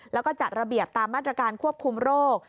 แล้วก็จัดระเบียบตามมาตรการควบคุมโรค